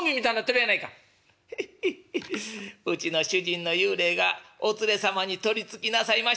「ヘッヘッヘッうちの主人の幽霊がお連れ様に取りつきなさいましたぞ」。